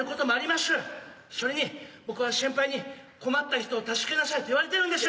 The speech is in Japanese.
しょれに僕は先輩に「困った人を助けなさい」って言われてるんでしゅ。